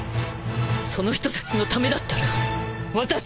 その人たちのためだったら私は。